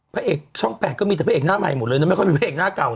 พระเอกช่อง๘ก็มีแต่พระเอกหน้าใหม่หมดเลยนะไม่ค่อยมีพระเอกหน้าเก่า